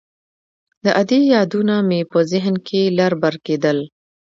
د ادې يادونه مې په ذهن کښې لر بر کېدل.